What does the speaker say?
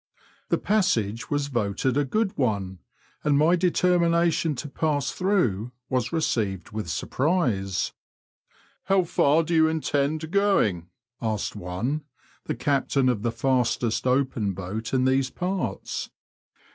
The passage was voted a good one, and my determination to pass through was received with surprise. How far do you intend going ?asked one — the captain of the fastest open boat in these parts.